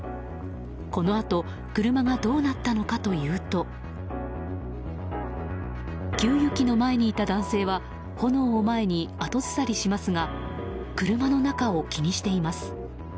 このあと車がどうなったのかというと給油機の前にいた男性は炎を前に後ずさりしますが車の中を気にしています。